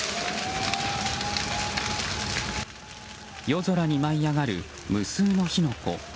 夜空に舞い上がる無数の火の粉。